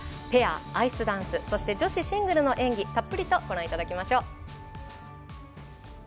ペアアイスダンスそして女子シングルの演技たっぷりとご覧いただきましょう。